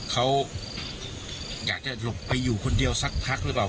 เขาอยากจะหลบไปอยู่คนเดียวสักพักหรือเปล่า